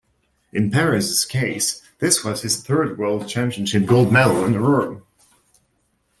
In Perez's case, this was his third World Championship Gold Medal in a row.